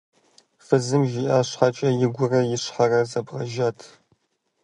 Фызым жиӀам щхьэкӀэ игурэ и щхьэрэ зэбгъэжат.